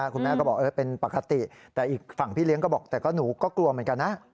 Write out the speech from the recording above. คุณแม่ก็บอกเป็นปกติแต่อีกฝั่งพี่เลี้ยงก็บอกแต่ก็หนูก็กลัวเหมือนกันนะ